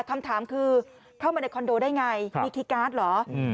คำถามคือเข้ามาในคอนโดได้ไงมีคีย์การ์ดเหรอ